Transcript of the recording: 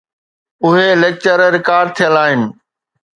اهي lecture record ٿيل آهن